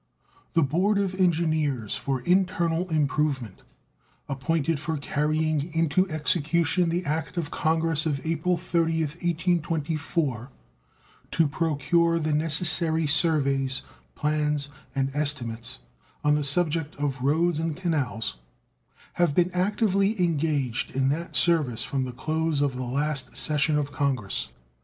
The Board of Engineers for Internal Improvement, appointed for carrying into execution the act of Congress of April 30th, 1824, "to procure the necessary surveys, plans, and estimates on the subject of roads and canals", have been actively engaged in that service from the close of the last session of Congress.